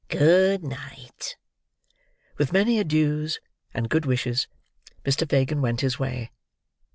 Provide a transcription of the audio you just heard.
Good night!" With many adieus and good wishes, Mr. Fagin went his way.